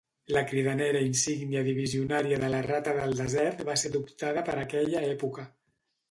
La cridanera insígnia divisionària de la Rata del Desert va ser adoptada per aquella època.